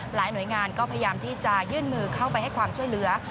หลายหน่วยงานก็พยายามที่จะยื่นมือเข้าไปให้ความช่วยเหลือ